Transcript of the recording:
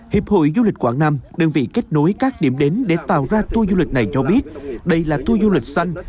hiệp hội du lịch quảng nam đơn vị kết nối các điểm đến để tạo ra tour du lịch này cho biết đây là tour du lịch xanh